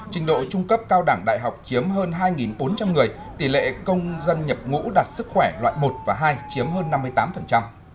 trình độ trung cấp cao đẳng đại học chiếm hơn hai bốn trăm linh người tỷ lệ công dân nhập ngũ đạt sức khỏe loại một và hai chiếm hơn năm mươi tám